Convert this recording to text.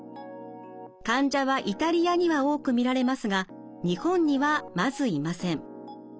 患者はイタリアには多く見られますが日本にはまずいません。